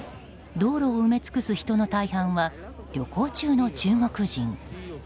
道路を埋め尽くす人の大半は旅行中の中国人。